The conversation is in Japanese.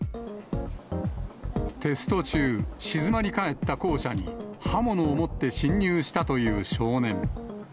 テスト中、静まり返った校舎に、刃物を持って侵入したという少年。